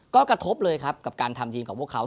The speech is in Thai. ก็กระทบเลยครับกับการทำทีมของพวกเขา